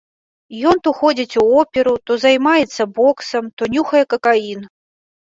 Ён то ходзіць у оперу, то займаецца боксам, то нюхае какаін.